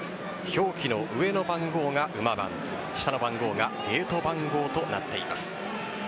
標記の上の番号が馬番下の番号がゲート番号となっています。